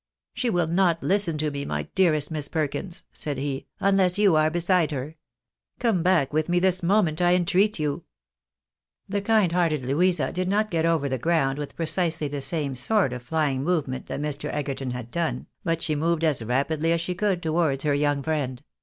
" She will not listen to me, my dearest Miss Perkins," said he, " unless you are beside her. Come back with me this moment, I ■ entreat you." The kind hearted Louisa did not get over the ground with pre cisely the same sort of flying movement that Mr. Egerton had done, ■ but she moved as rapidly as she could towards her young friend